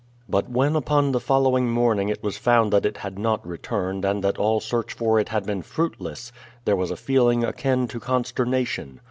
But when upon the following morning it was found that it had not returned and that all search for it had been fruitless, there was a feeling akin to consternation.